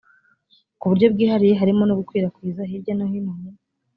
ku buryo bwihariye harimo no gukwirakwiza hirya no hino mu